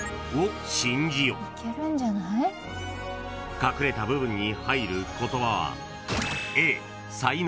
［隠れた部分に入る言葉は］